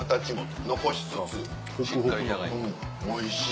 おいしい。